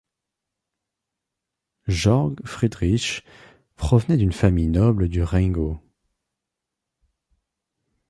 Georg Friedrich provenait d'une famille noble du Rheingau.